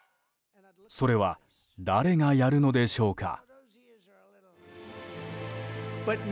それは、誰がやるのでしょうか。